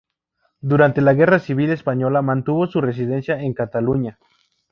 Durante la guerra civil española mantuvo su residencia en Cataluña.